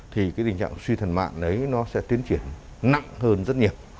thì tình trạng suy thận mạn đấy nó sẽ tiến triển nặng hơn rất nhiều